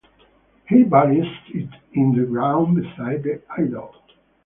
He buries it in the ground beside the idol.